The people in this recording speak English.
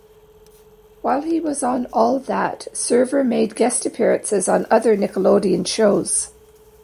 While he was on "All That", Server made guest appearances on other Nickelodeon shows.